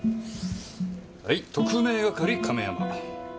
はい特命係亀山。